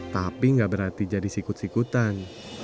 tapi nggak berarti jadi sikut sikutan